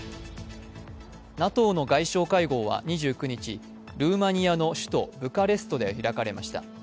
ＮＡＴＯの外相会合は２９日、ルーマニアの首都ブカレストで開かれました。